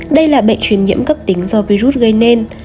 đây là bệnh truyền nhiễm cấp tính do virus gây nên